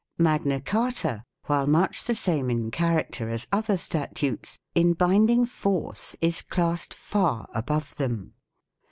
Magna Carta, while much the same in char acter as other statutes, in binding force is classed far above them.